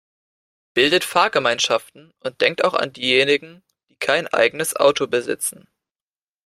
Bildet Fahrgemeinschaften und denkt auch an diejenigen, die kein eigenes Auto besitzen.